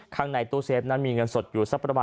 ข้างในตู้เซฟนั้นมีเงินสดอยู่สักประมาณ